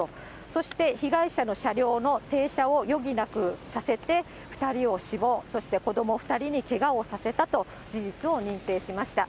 そして、被害者の車両の停車を余儀なくさせて、２人を死亡、そして子ども２人にけがをさせたと、事実を認定しました。